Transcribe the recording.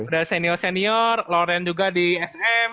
udah senior senior loren juga di sm